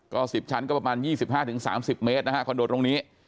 ก็๑๐ชั้นก็ประมาณ๒๕๓๐เมตรนะฮะคอนโดตรงนี้